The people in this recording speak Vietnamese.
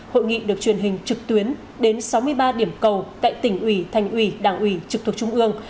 hội nghị được truyền hình trực tuyến đến sáu mươi ba điểm cầu tại tỉnh ủy thành ủy đảng ủy trực thuộc trung ương